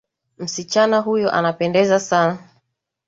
Msichana huyo anapendeza sana